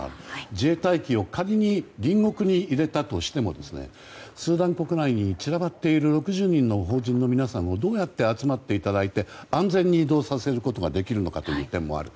自衛隊機を仮に隣国に入れたとしてもスーダン国内に散らばっている６０人の邦人の皆さんにどうやって集まっていただいて安全に移動させることができるのかという点もある。